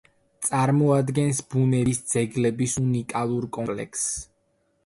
წარმოადგენს ბუნების ძეგლების უნიკალურ კომპლექსს.